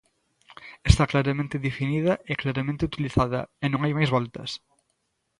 Está claramente definida e claramente utilizada, e non hai máis voltas.